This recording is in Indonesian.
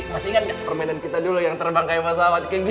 masih ingat gak permainan kita dulu yang terbang kayak masawat kayak gini